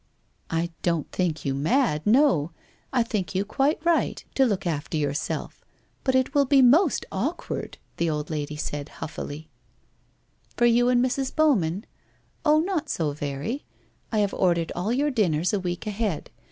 ' I don't think you mad, no; ! think you quite right to 376 WHITE ROSE OF WEARY LEAF look after yourself, but it will be most awkward,' the old lady said huffily. ' For you and Mrs. Bowman ? Oh, not so very. I have ordered all your dinners a week ahead.